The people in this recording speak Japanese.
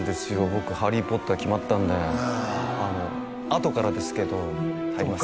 僕「ハリー・ポッター」決まったんであとからですけど入ります